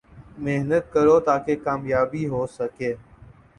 محنت کرو تا کہ کامیاب ہو سکو